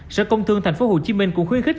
sở công thương tp hcm cũng khuyến khích